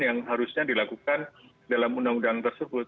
yang harusnya dilakukan dalam undang undang tersebut